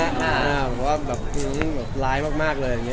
เพราะว่าแบบหื้มแบบร้ายมากเลย